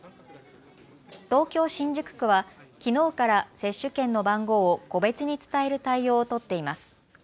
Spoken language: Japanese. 東京新宿区は、きのうから接種券の番号を個別に伝える対応を取っています。